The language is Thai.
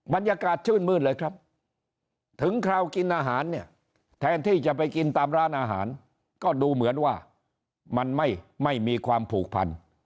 บรรยากาศชื่นมืดเลยครับถึงคราวกินอาหารเนี่ยแทนที่จะไปกินตามร้านอาหารก็ดูเหมือนว่ามันไม่มีความผูกพัน